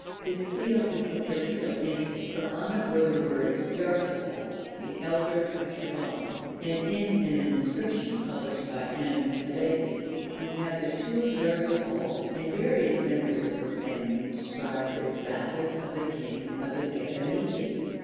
This seal is of particular interest, for on it were the words 'Yarsahal, the Elder of Shibahm'; and in an inscription published by M. Halévy, we have the two Yarsahals and various members of this family described as vassals of the King of the Gebaniti.